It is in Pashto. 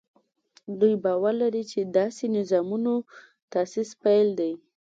دوی باور لري چې داسې نظامونو تاسیس پیل دی.